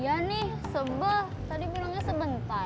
iya nih sebeh tadi bilangnya sebentar